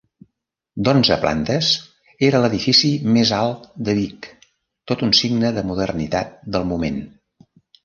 D’onze plantes, era l’edifici més alt de Vic, tot un signe de modernitat del moment.